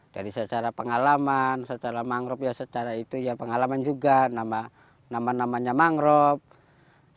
dari secara pengalaman secara mangrove ya secara itu ya pengalaman juga nama namanya mangrove